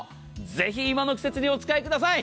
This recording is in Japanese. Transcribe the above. ぜひ、今の季節にお使いください。